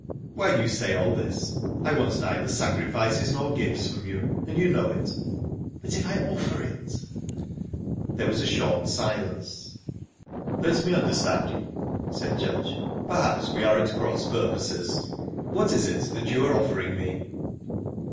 "Why do you say all this? I want neither sacrifices nor gifts from you, and you know it." "But if I offer it?" There was a short silence. "Let me understand you," said Judge, "for perhaps we are at cross purposes. What is it you are offering me?"